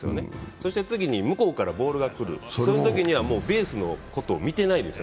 そして、次に向こうからボールが来る、そのときにはもうベースのことを見てないですよ。